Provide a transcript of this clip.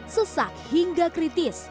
sesak hingga kritis